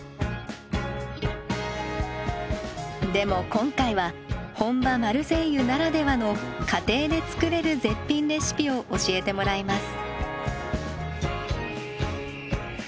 でも今回は本場マルセイユならではの家庭で作れる絶品レシピを教えてもらいます。